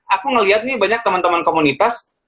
aku ngeliat nih banyak teman teman komunitas